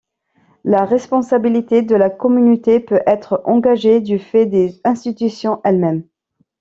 La responsabilité de la Communauté peut être engagée du fait des institutions elles-mêmes.